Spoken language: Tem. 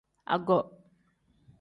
Ago.